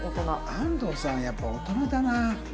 安藤さんやっぱ大人だな。